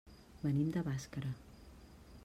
Venim de Bàscara.